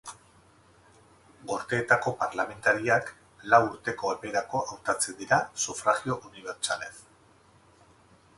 Gorteetako parlamentariak lau urteko eperako hautatzen dira sufragio unibertsalez.